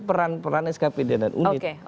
peran peran skpd dan unit